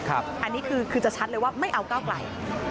อันนี้คือจะชัดเลยว่าไม่เอาก้าวไกล